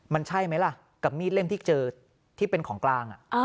มันใช่ไหมล่ะกับมีดเล่มที่เจอที่เป็นของกลาง